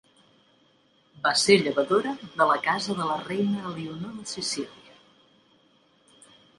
Va ser llevadora de la casa de la reina Elionor de Sicília.